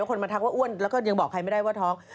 คนมาทักว่าอ้วนแล้วก็ยังบอกใครไม่ได้ว่าท้อง